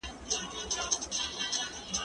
هغه وويل چي کالي وچول مهم دي!.